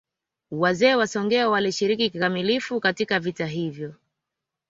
Wazee wa Songea walishiriki kikamilifu katika vita hivyo